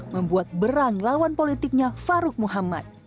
membuat berang lawan politiknya farouk muhammad